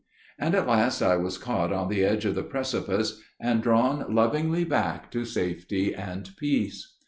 And at last I was caught on the edge of the precipice, and drawn lovingly back to safety and peace.